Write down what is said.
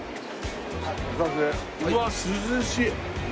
うわっ涼しい。